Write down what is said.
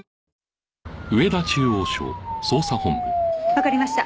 わかりました。